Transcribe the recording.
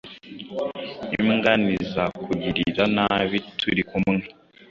Imbwa ntizakugirira nabi turi kumwe